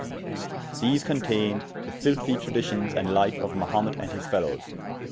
These contayne the filthie traditions and lyfe of Mahumet and his fellowes: [p.